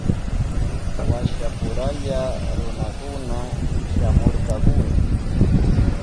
Washapuralla runakuna shamurkakuna.